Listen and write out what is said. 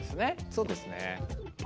そうですね。